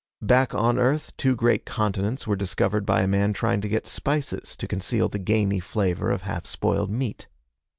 Back on Earth, two great continents were discovered by a man trying to get spices to conceal the gamey flavor of half spoiled meat.